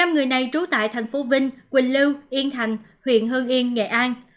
năm người này trú tại thành phố vinh quỳnh lưu yên thành huyện hương yên nghệ an